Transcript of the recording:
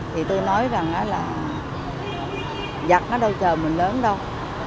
thì tươi nói rằng là giặc nó đâu chờ mình lớn đâu